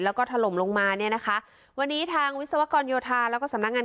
แล้วก็ถล่มลงมาเนี่ยนะคะวันนี้ทางวิศวกรโยธาแล้วก็สำนักงาน